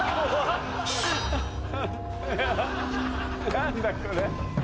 何だこれ。